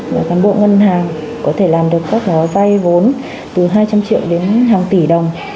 và cán bộ ngân hàng có thể làm được các gói vay vốn từ hai trăm linh triệu đến hàng tỷ đồng